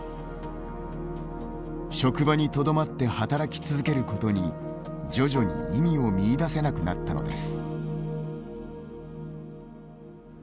職場にとどまって働き続けることに徐々に意味を見いだせなくなったのです。